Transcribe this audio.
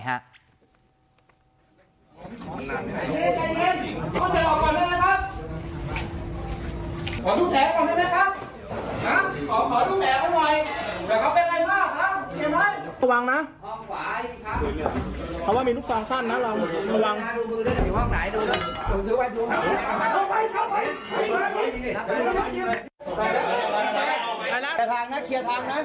ดูทางด้วยดูทางด้วย